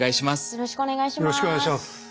よろしくお願いします。